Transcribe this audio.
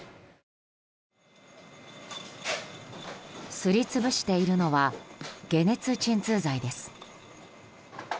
すり潰しているのは解熱鎮痛剤です。